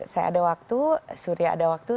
saya ada waktu surya ada waktu